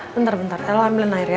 bentar bentar kalau ambilin air ya